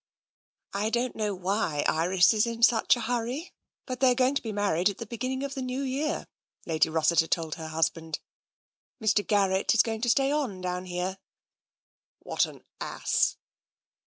" I don't know why Iris is in such a hurry, but they are going to be married at the beginning of the new year," Lady Rossiter told her husband. " Mr. Garrett is going to stay on down here." " What an ass